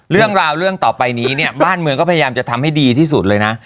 เรื่องราวเรื่องต่อไปนี้เนี่ยบ้านเมืองก็พยายามจะทำให้ดีที่สุดเลยนะ